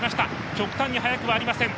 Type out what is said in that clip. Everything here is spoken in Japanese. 極端に早くはありません。